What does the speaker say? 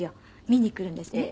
見に来るんですね。